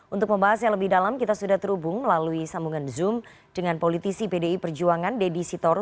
untuk membahas yang lebih dalam kita sudah terhubung melalui sambungan zoom dengan politisi pdi perjuangan deddy sitoru